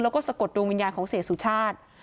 แล้วก็สะกดดวงวิญญาณของเสียสุชาติ